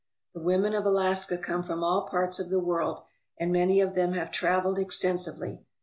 The women of Alaska come from all parts of the world, and many of them have travelled extensively.